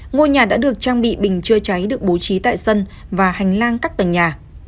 ngôi nhà đã được trang bị bình chữa cháy được bố trí tại sân và hành lang các tầng nhà